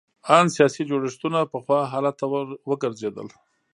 ان سیاسي جوړښتونه پخوا حالت ته وګرځېدل.